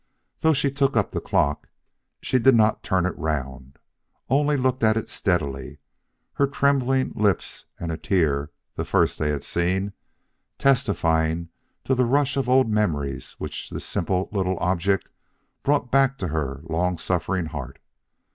Though she took up the clock, she did not turn it round, only looked at it steadily, her trembling lips and a tear the first they had seen testifying to the rush of old memories which this simple little object brought back to her long suffering heart.